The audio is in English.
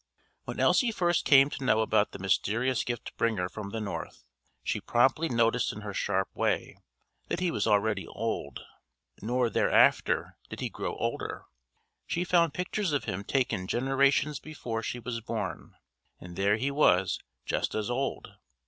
When Elsie first came to know about the mysterious Gift bringer from the North, she promptly noticed in her sharp way that he was already old; nor thereafter did he grow older. She found pictures of him taken generations before she was born and there he was just as old!